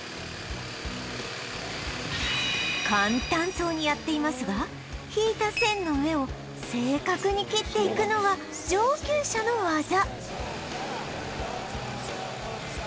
簡単そうにやっていますが引いた線の上を正確に切っていくのは上級者の技